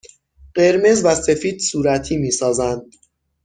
قرمز و سفید صورتی می سازند.